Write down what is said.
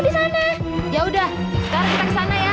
bikin aku jantung banget saja